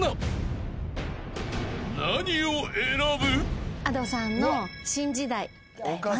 ［何を選ぶ？］